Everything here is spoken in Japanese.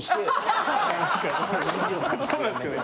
そうなんですけどね。